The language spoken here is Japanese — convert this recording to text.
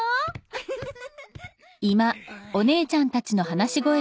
・ウフフフ。